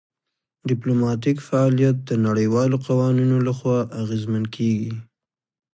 ډیپلوماتیک فعالیت د نړیوالو قوانینو لخوا اغیزمن کیږي